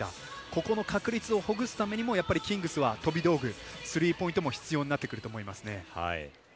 ここの確率をほぐすためにもキングスは飛び道具スリーポイントも必要になると思います。